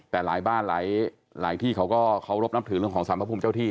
แต่หลายบ้านหลายที่เขาก็เคารพนับถือเรื่องของสรรพภูมิเจ้าที่